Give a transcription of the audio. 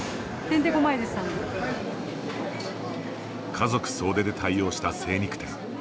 家族総出で対応した精肉店。